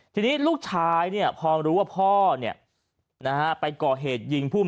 ทีนี้ลูกชายพอรู้ว่าพ่อไปก่อเหตุยิงภูมิ